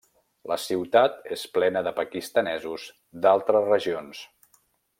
La ciutat és plena de pakistanesos d'altres regions.